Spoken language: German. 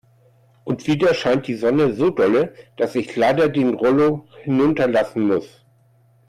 Und wieder scheint die Sonne so dolle, dass ich leider den Rollo hinunterlassen muss.